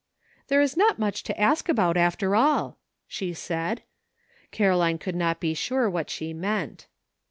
"There is not much to ask about, after all," she said. Caroline could not be sure what she meant.